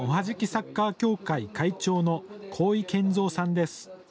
サッカー協会会長の鴻井建三さんです。